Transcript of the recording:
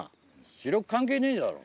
視力関係ねえじゃろ。